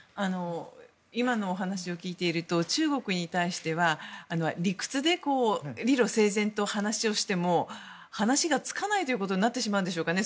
今のお話を聞いていると中国に対しては、理屈で理路整然と話しをしても話がつかないということになってしまうんでしょうかね。